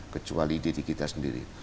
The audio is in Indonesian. kecuali diri kita sendiri